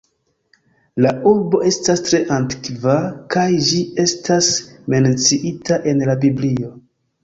La urbo estas tre antikva, kaj ĝi estas menciita en la Biblio.